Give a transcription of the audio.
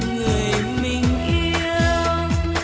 người mình yêu